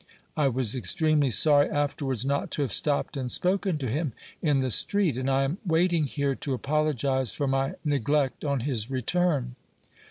I was extremely sorry afterwards not to have stopped and spoken to him in the street ; and I am waiting here to apologize for my neglect on his return.